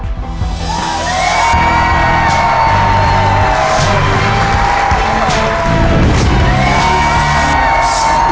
เนก